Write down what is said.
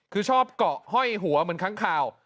คือชอบเกาะห้อยหัวเหมือนค้างข่าว